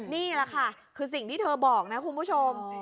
นี่แหละค่ะคือสิ่งที่เธอบอกนะคุณผู้ชม